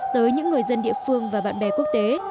tới những người dân địa phương và bạn bè quốc tế